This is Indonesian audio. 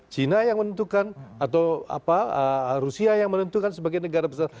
china yang menentukan atau rusia yang menentukan sebagai negara besar